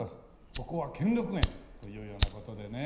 ここは兼六園。というような事でね。